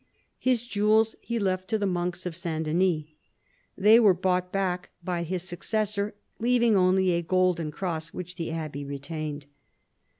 His jewels he left to the monks of S. Denys. They were bought back by his successor, leaving only a golden cross which the abbey retained.